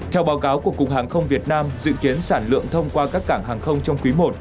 theo báo cáo của cục hàng không việt nam dự kiến sản lượng thông qua các cảng hàng không trong quý i